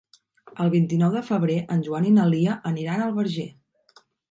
El vint-i-nou de febrer en Joan i na Lia aniran al Verger.